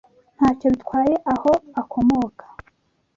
Ntacyo bitwaye aho akomoka.